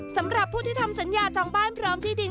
สำหรับผู้ที่ทำสัญญาจองบ้านพร้อมที่ดิน